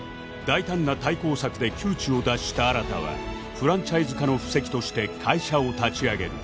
大胆な対抗策で窮地を脱した新はフランチャイズ化の布石として会社を立ち上げる